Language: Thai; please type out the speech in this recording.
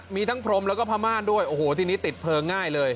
มีทั้งพรมแล้วก็พม่านด้วยโอ้โหทีนี้ติดเพลิงง่ายเลย